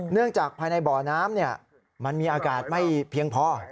จากภายในบ่อน้ำมันมีอากาศไม่เพียงพอ